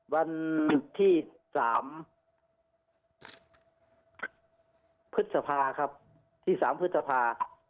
วันที่สามพฤษภาครับที่สามพฤษภา